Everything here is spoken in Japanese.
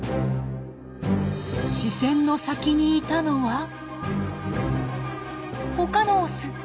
視線の先にいたのは他のオス。